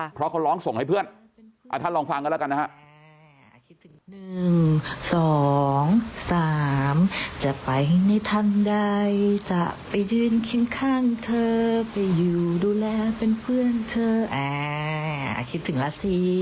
เพราะเขาร้องส่งให้เพื่อนท่านลองฟังกันแล้วกันนะฮะ